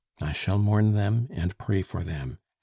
I shall mourn them, and pray for them!